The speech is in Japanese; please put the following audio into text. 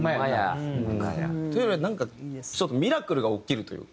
うんというよりはなんかちょっとミラクルが起きるというか。